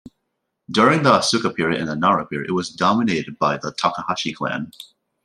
During the Asuka period and Nara period it was dominated by the Takahashi clan.